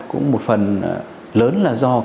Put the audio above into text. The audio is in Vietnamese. cũng một phần lớn là do